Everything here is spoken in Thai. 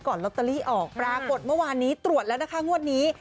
ลอตเตอรี่ออกปรากฏเมื่อวานนี้ตรวจแล้วนะคะงวดนี้